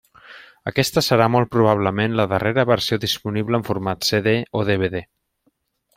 Aquesta serà molt probablement la darrera versió disponible en format CD o DVD.